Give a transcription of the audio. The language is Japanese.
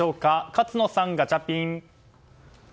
勝野さん、ガチャピン。